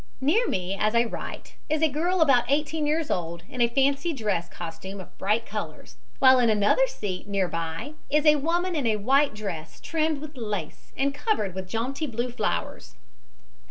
Near me as I write is a girl about eighteen years old in a fancy dress costume of bright colors, while in another seat near by is a women in a white dress trimmed with lace and covered with jaunty blue flowers.